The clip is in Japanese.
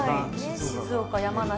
静岡山梨